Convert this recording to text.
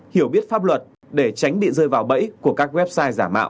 hiểu biết pháp luật để tránh bị rơi vào bẫy của các website giả mạo